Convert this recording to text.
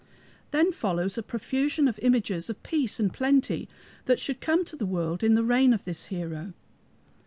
Then follow a profusion of images of peace and plenty that should come to the world in the reign of this hero.